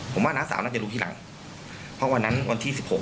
ผมว่าน้าสาวน่าจะรู้ทีหลังเพราะวันนั้นวันที่สิบหก